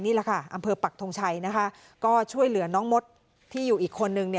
นี่แหละค่ะอำเภอปักทงชัยนะคะก็ช่วยเหลือน้องมดที่อยู่อีกคนนึง